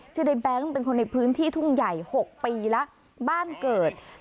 ชื่อได้แบงค์เป็นคนในพื้นที่ทุ่งใหญ่หกปีละบ้านเกิด